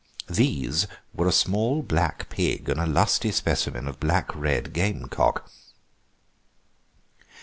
"These" were a small black pig and a lusty specimen of black red gamecock.